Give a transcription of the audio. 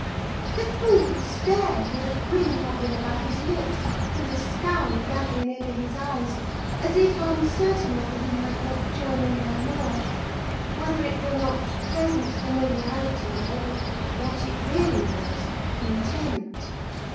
"The fool stared, with a grin hovering about his lips, and a scowl gathering over his eyes, as if uncertain whether he might not join in my mirth: whether it were not pleasant familiarity, or what it really was, contempt.